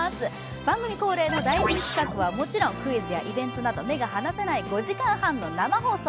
番組恒例の大人気企画はもちろんクイズやイベントなど目が離せない５時間半の生放送。